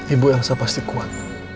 ibu elsa pasti kuat